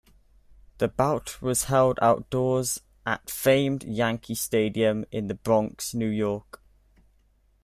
The bout was held outdoors at famed Yankee Stadium in the Bronx, New York.